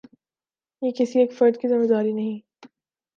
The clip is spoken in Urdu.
یہ کسی ایک فرد کی ذمہ داری نہیں۔